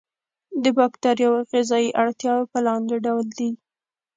د باکتریاوو غذایي اړتیاوې په لاندې ډول دي.